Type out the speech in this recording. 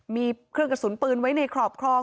มีเครื่องกระสุนปืนไว้ในครอบครอง